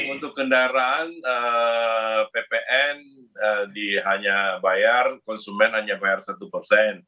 untuk kendaraan ppn hanya bayar konsumen hanya bayar satu persen